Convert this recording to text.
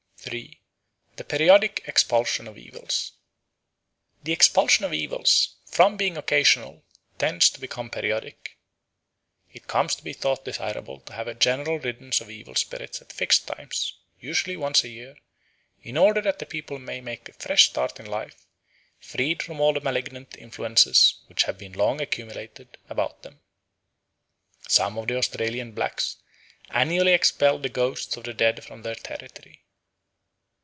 3. The Periodic Expulsion of Evils THE EXPULSION of evils, from being occasional, tends to become periodic. It comes to be thought desirable to have a general riddance of evil spirits at fixed times, usually once a year, in order that the people may make a fresh start in life, freed from all the malignant influences which have been long accumulating about them. Some of the Australian blacks annually expelled the ghosts of the dead from their territory.